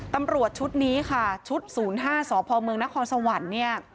ตำรวจชุดนี้ค่ะชุด๐๕สพมนสวรรค์